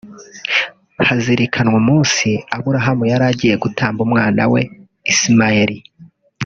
hazirikanwa umunsi Aburahamu yari agiye gutamba umwana we Ismail